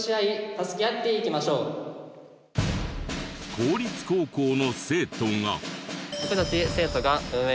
公立高校の生徒が。